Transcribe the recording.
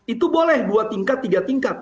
itu boleh dua tingkat tiga tingkat